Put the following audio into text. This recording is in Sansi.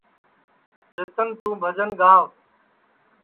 چیتن توں بھجن گاو